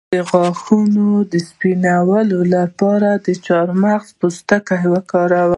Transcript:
د غاښونو د سپینولو لپاره د چارمغز پوستکی وکاروئ